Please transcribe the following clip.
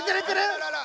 あららら！